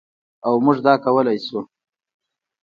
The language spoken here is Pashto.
او موږ دا کولی شو.